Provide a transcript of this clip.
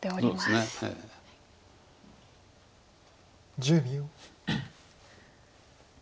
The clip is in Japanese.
１０秒。